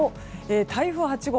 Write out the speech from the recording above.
台風８号